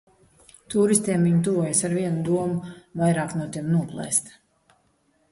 Tūristiem viņi tuvojas ar vienu domu - vairāk no tiem noplēst.